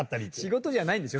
仕事じゃないんでしょ？